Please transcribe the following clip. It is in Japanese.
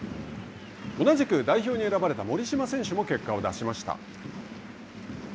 同じく代表に選ばれた森島選手も結果を出しました。